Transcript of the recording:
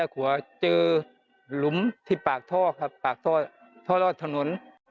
หัวเจอหลุมที่ปากท่อครับปากท่อรอดถนน